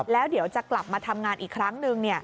แล้วเดี๋ยวจะกลับมาทำงานอีกครั้งหนึ่ง